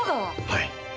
はい。